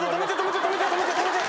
止めて止めて！